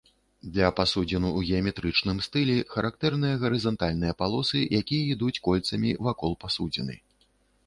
Для пасудзін у геаметрычным стылі характэрныя гарызантальныя палосы, якія ідуць кольцамі вакол пасудзіны.